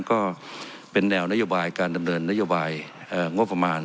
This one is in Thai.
ก็เป็นแนวนโยบายการดำเนินนโยบายงบประมาณ